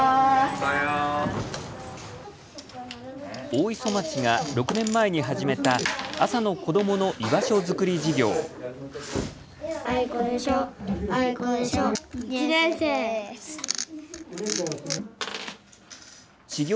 大磯町が６年前に始めた朝の子どもの居場所づくり事業。